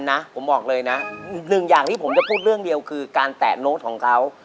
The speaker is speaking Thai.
ของมันมาหัศจรรย์นะผมบอกเลยนะมีอย่างนี้ผมจะพูดเรื่องเดียวคือการแตะโน้ตของเขา